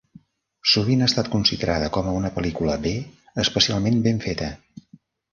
Sovint ha estat considerada com a un pel·lícula B especialment ben feta.